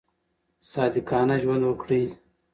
صادقانه ژوند وکړئ.